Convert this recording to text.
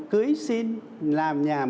cưới xin làm nhà một